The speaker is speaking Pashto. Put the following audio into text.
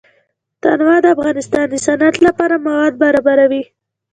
تنوع د افغانستان د صنعت لپاره مواد برابروي.